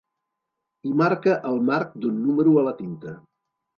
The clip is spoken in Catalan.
Hi marca el marc d'un número a la tinta.